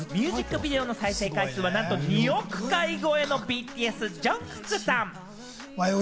ミュージックビデオの再生回数はなんと２億回超えのＢＴＳ、ＪＵＮＧＫＯＯＫさん。